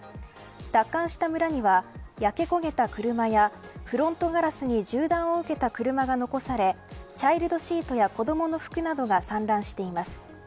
奪還した村には焼け焦げた車やフロントガラスに銃弾を受けた車が残されチャイルドシートや子どもの服などが散乱しています。